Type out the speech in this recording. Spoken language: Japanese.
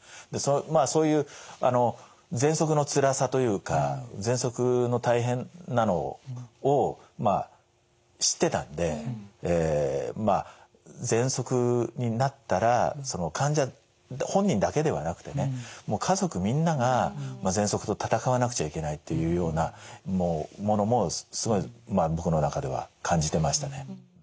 まあそういうあのぜんそくのつらさというかぜんそくの大変なのをまあ知ってたんでぜんそくになったら患者本人だけではなくてね家族みんながぜんそくと闘わなくちゃいけないっていうようなものもすごい僕の中では感じてましたね。